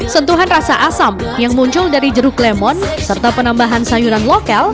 sentuhan rasa asam yang muncul dari jeruk lemon serta penambahan sayuran lokal